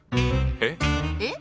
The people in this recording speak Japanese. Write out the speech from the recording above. えっ？えっ？